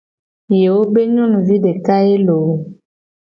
Yewo be nyonuvi deka ye loo.